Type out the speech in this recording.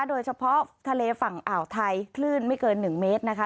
โดยเฉพาะทะเลฝั่งอ่าวไทยคลื่นไม่เกิน๑เมตรนะคะ